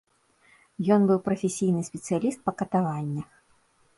Ён быў прафесійны спецыяліст па катаваннях.